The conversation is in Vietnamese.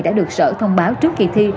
đã được sở thông báo trước kỳ thi